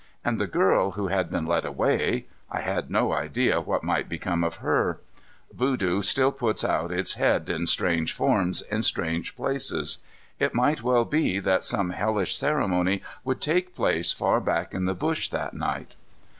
And the girl who had been led away I had no idea what might become of her. Voodoo still puts out its head in strange forms in strange places. It might well be that some hellish ceremony would take place far back in the bush that night.